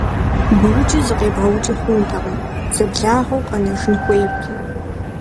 Быукӏи зыкъебгъэукӏи хъунутэкъым, зэблагъэу къэнэжын хуейти.